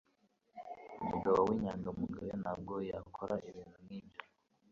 Umugabo w'inyangamugayo ntabwo yakora ibintu nkibyo.